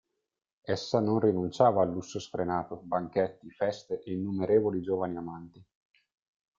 Essa non rinunciava a lusso sfrenato, banchetti, feste e innumerevoli giovani amanti.